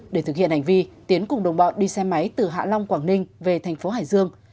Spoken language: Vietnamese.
để thực hiện hành vi tiến cùng đồng bọn đi xe máy từ hạ long quảng ninh về thành phố hải dương